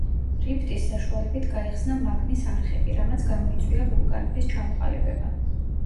რიფტის საშუალებით გაიხსნა მაგმის არხები, რამაც გამოიწვია ვულკანების ჩამოყალიბება.